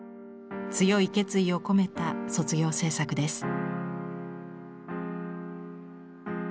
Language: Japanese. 強い決意を込めた卒業制作です。